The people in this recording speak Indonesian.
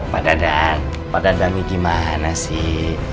pak dadan pak dadan ini gimana sih